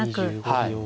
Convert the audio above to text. はい。